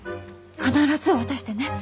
必ず渡してね。